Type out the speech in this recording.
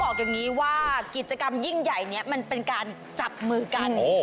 บอกอย่างนี้ว่ากิจกรรมยิ่งใหญ่นี้มันเป็นการจับมือกัน